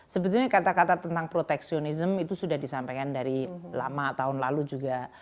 sebetulnya kata kata tentang proteksionism itu sudah disampaikan dari lama tahun lalu juga